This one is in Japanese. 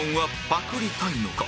パクりたくないのか？